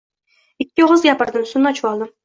Ikki og‘iz gapirdim, suvni ochvoldim.